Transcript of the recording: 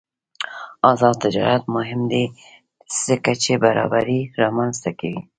آزاد تجارت مهم دی ځکه چې برابري رامنځته کوي.